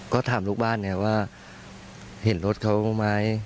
ก็ถามลูกบ้านเนี่ยว่าเห็นรถเขาไหม